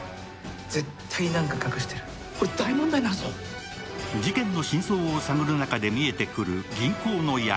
絶対何か隠してるこれ大問題になるぞ事件の真相を探る中で見えてくる銀行の闇